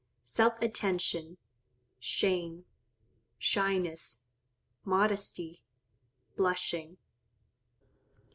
SELF ATTENTION—SHAME—SHYNESS—MODESTY: BLUSHING.